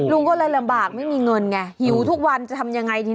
ลุงก็เลยลำบากไม่มีเงินไงหิวทุกวันจะทำยังไงดี